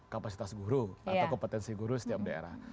kapasitas guru atau kompetensi guru setiap daerah